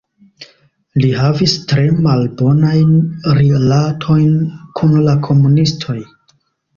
Li havis tre malbonajn rilatojn kun la komunistoj.